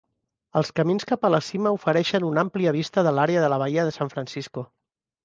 Els camins cap a la cima ofereixen una àmplia vista de l'Àrea de la Bahia de San Francisco.